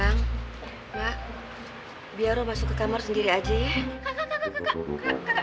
bang mak biar lu masuk ke kamar sendiri aja ya